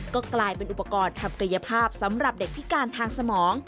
ก็กลายเป็นอุปกรณ์ทำกายภาพสำหรับเด็กพิการทางสมอง